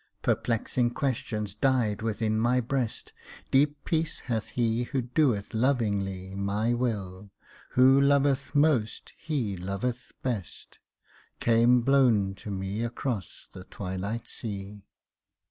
Perplexing questions died within my breast, "Deep peace hath he who doeth lovingly My will, who loveth most, he loveth best," Came blown to me across the twilight sea.